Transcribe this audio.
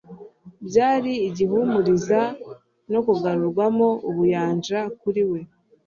Byari igihumuriza no kugarurwamo ubuyanja kuri we.